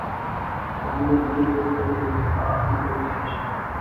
এখান দিয়ে notice board ফেলে দিবো, আর আপনি পরীক্ষায় বসে যাবেন।